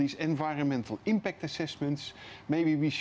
semua penyelesaian tindakan lingkungan